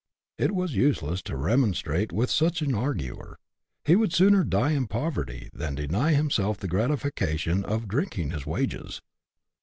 It was useless to remonstrate with such an arguer ; he would sooner die in poverty than deny him self the gratification of " drinking his wages."